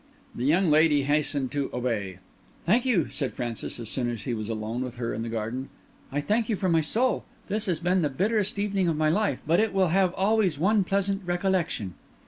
The young lady hastened to obey. "Thank you," said Francis, as soon as he was alone with her in the garden. "I thank you from my soul. This has been the bitterest evening of my life, but it will have always one pleasant recollection."